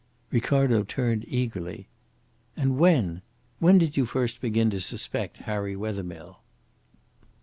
Ricardo turned eagerly. "And when when did you first begin to suspect Harry Wethermill?"